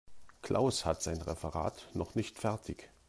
Klaus hat sein Referat noch nicht fertig.